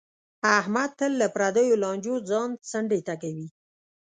احمد تل له پردیو لانجو ځان څنډې ته کوي.